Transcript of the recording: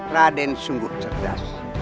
raden sungguh cerdas